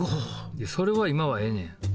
いやそれは今はええねん。